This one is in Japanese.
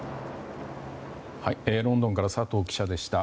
ロンドンから佐藤記者でした。